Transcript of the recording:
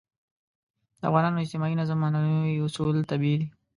د افغانانو اجتماعي نظم عنعنوي اصول طبیعي دي.